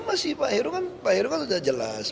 masih pak heru kan pak heru kan sudah jelas